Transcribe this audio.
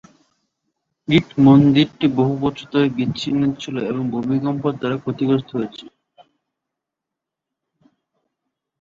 ইট মন্দিরটি বহু বছর ধরে বিচ্ছিন্ন ছিল এবং ভূমিকম্প দ্বারা ক্ষতিগ্রস্ত হয়েছে।